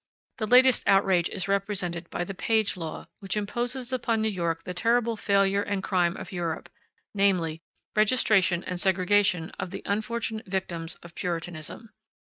The latest outrage is represented by the Page Law, which imposes upon New York the terrible failure and crime of Europe; namely, registration and segregation of the unfortunate victims of Puritanism.